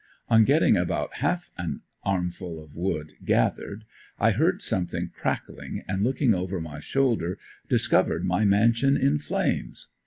On getting about half an armful of wood gathered I heard something crackling and looking over my shoulder discovered my mansion in flames.